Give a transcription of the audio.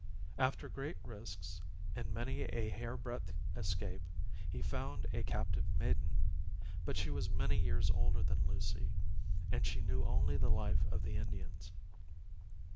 After great risks, and many a hair breadth escape, he found a captive maiden; but she was many years older than Lucy, and she knew only the life of the Indians.